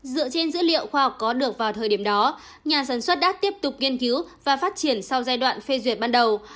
dựa trên dữ liệu khoa học có được vào thời điểm đó nhà sản xuất đã tiếp tục nghiên cứu và phát triển sau giai đoạn phê duyệt ban đầu